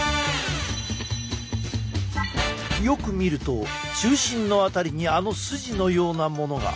よく見ると中心の辺りにあの筋のようなものが。